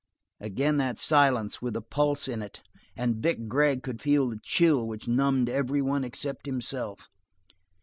Again that silence with the pulse in it, and Vic Gregg could feel the chill which numbed every one except himself.